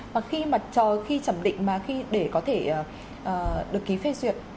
và khi mà chờ khi thẩm định mà khi để có thể được ký phê duyệt